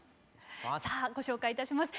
さあご紹介いたします。